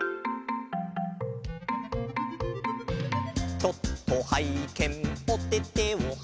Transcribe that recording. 「ちょっとはいけんおててをはいけん」